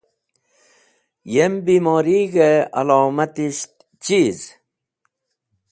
Yem bimorig̃hẽ alomatisht chiz.